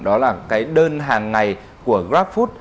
đó là cái đơn hàng ngày của grabfood